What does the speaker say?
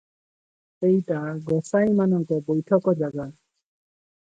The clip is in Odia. ସେଇଟା ଗୋସାଇଁ ମାନଙ୍କ ବୈଠକଜାଗା ।